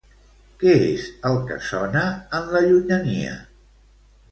Què és el que sona en la llunyania?